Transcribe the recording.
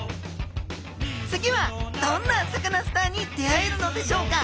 次はどんなサカナスターに出会えるのでしょうか？